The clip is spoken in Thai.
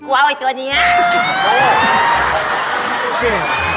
ก็เอาไอตัวเนี้ย